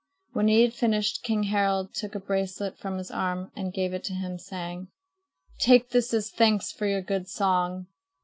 When he had finished, King Harald took a bracelet from his arm and gave it to him, saying: "Take this as thanks for your good song."